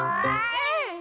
うん！